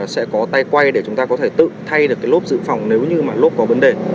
sẽ có tay quay để chúng ta có thể tự thay được cái lốp giữ phòng nếu như mà lốp có vấn đề